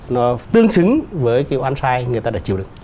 nó tương xứng với cái oan sai người ta đã chịu được